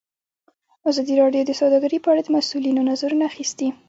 ازادي راډیو د سوداګري په اړه د مسؤلینو نظرونه اخیستي.